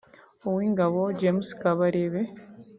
Uw’ingabo James Kabarebe